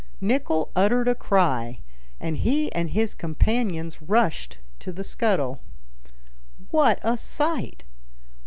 Nicholl uttered a cry, and he and his companions rushed to the scuttle. What a sight!